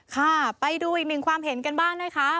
ค่ะไปดูอีกหนึ่งความเห็นกันบ้างนะคะ